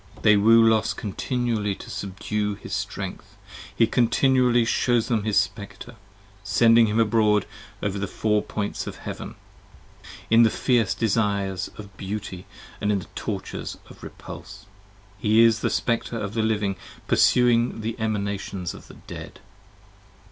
10 They wooe Los continually to subdue his strength: he continually Shews them his Spectre; sending him abroad over the four points of heaven In the fierce desires of beauty & in the tortures of repulse : He is The Spectre of the Living pursuing the Emanations of the Dead.